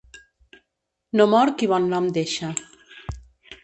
No mor qui bon nom deixa.